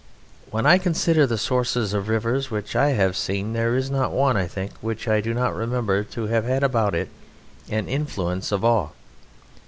When I consider the sources of rivers which I have seen, there is not one, I think, which I do not remember to have had about it an influence of awe.